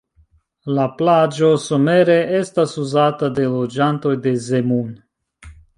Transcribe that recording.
La plaĝo somere estas uzata de loĝantoj de Zemun.